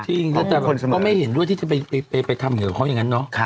จริงแต่คนก็ไม่เห็นด้วยที่จะไปทำกับเขาอย่างนั้นเนาะ